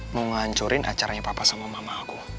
mau ngancurin acaranya papa sama mama aku